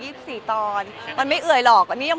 เนื้อหาดีกว่าน่ะเนื้อหาดีกว่าน่ะ